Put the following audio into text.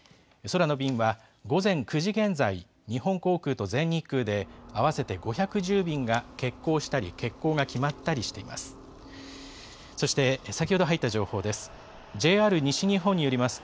空の便は午前９時現在、日本航空と全日空で、合わせて５１０便が欠航したり欠航が決まったりしています。